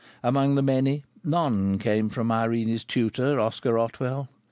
Amongst the many, none came from Irene's tutor, Oscar Otwell!